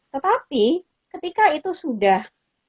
tetapi ketika itu sudah